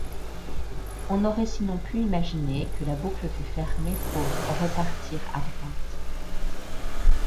On aurait sinon pu imaginer que la boucle fût fermée pour repartir à droite.